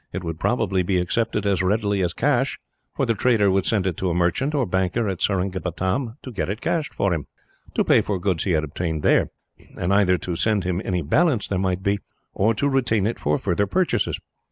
It would probably be accepted as readily as cash, for the trader would send it to a merchant, or banker, at Seringapatam to get it cashed for him, to pay for goods he had obtained there; and either to send him any balance there might be, or to retain it for further purchases.